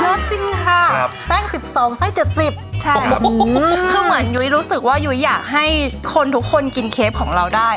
เยอะค่ะเยอะจริงค่ะครับแป้งสิบสองไส้เจ็ดสิบใช่คือเหมือนยุ้ยรู้สึกว่ายุ้ยอยากให้คนทุกคนกินครีฟของเราได้